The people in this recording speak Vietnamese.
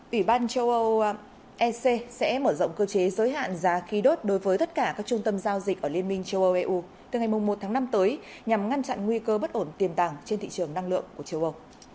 ủy ban châu âu ec sẽ mở rộng cơ chế giới hạn giá khí đốt đối với tất cả các trung tâm giao dịch ở liên minh châu âu eu từ ngày một tháng năm tới nhằm ngăn chặn nguy cơ bất ổn tiền vàng trên thị trường năng lượng của châu âu